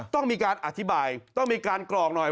ต้องมีการอธิบายต้องมีการกรอกหน่อย